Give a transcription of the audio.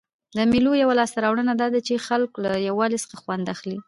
د مېلو یوه لاسته راوړنه دا ده، چي خلک له یووالي څخه خوند اخلي.